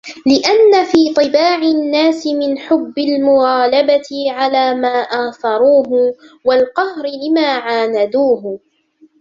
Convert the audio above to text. لِأَنَّ فِي طِبَاعِ النَّاسِ مِنْ حُبِّ الْمُغَالَبَةِ عَلَى مَا آثَرُوهُ وَالْقَهْرِ لِمَنْ عَانَدُوهُ